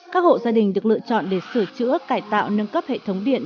các hộ gia đình được lựa chọn để sửa chữa cải tạo nâng cấp hệ thống điện